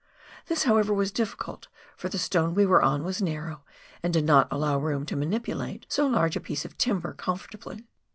This, however, was difficult, for the stone we were on was narrow, and did not allow room to manipulate so large a piece of timber comfortably.